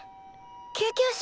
救急車？